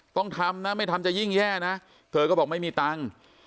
ต้องทำนะไม่ทำจะยิ่งแย่นะเธอก็บอกไม่มีตังค์